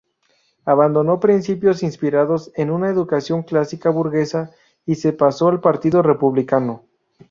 Abandonó principios inspirados en una educación clásica burguesa y se pasó al partido republicano.